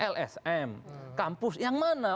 lsm kampus yang mana